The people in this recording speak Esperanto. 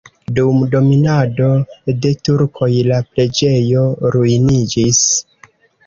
Dum dominado de turkoj la preĝejo ruiniĝis.